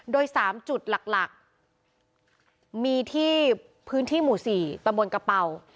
โดยสามจุดหลักหลักมีที่พื้นที่หมู่สี่ประมวลกระเป๋า